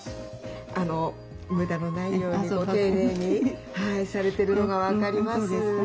無駄のないように丁寧にされてるのが分かります。